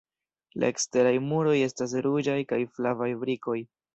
La eksteraj muroj estas ruĝaj kaj flavaj brikoj.